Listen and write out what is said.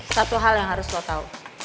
satu hal yang harus lo tau